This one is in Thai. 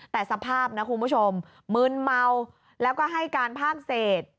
แต่สภาพนะคุณผู้ชมมึนเมาแล้วก็ให้การภาคเศษ